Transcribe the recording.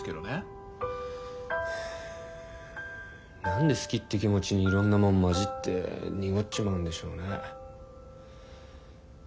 はあ何で好きって気持ちにいろんなもん混じって濁っちまうんでしょうね。